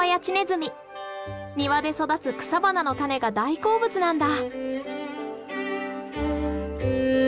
庭で育つ草花のタネが大好物なんだ。